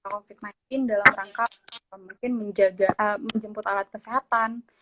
covid sembilan belas dalam rangka mungkin menjemput alat kesehatan